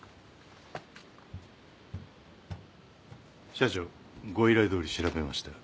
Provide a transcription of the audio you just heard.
社長ご依頼どおり調べました。